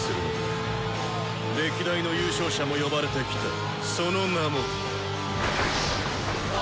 歴代の優勝者も呼ばれてきたその名も。